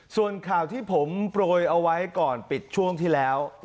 ส่วนข่าวที่ผมโปรยเอาไว้ก่อนปิดช่วงที่แล้ว